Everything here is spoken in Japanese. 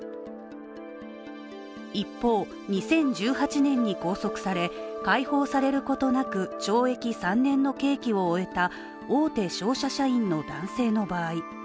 一方、２０１８年に拘束され、解放されることなく懲役３年の刑期を終えた大手商社社員の男性の場合。